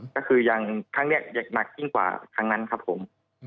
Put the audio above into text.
ก็คืออย่างครั้งนี้อยากหนักยิ่งกว่าครั้งนั้นครับผม